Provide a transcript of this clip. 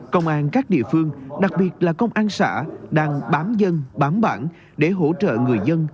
công an các địa phương đặc biệt là công an xã đang bám dân bám bản để hỗ trợ người dân